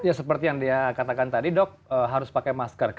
ya seperti yang dia katakan tadi dok harus pakai masker